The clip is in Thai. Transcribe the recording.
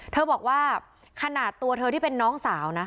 เธอบอกว่าขนาดตัวเธอที่เป็นน้องสาวนะ